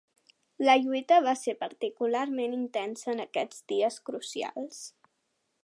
La lluita va ser particularment intensa en aquests dies crucials.